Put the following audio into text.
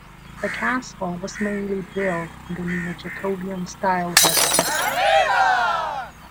The castle was mainly built in the neo-Jacobean style of architecture.